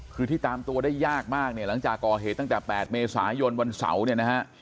คือที่ตามตัวได้ยากมากเนี่ยหลังจากก่อเหตุตั้งแต่๘เมษายนวันเสาร์เนี่ยนะฮะ